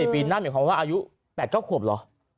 ๓๔ปีนั่นเหมือนคำว่าอายุ๘๙ขวบเหรอ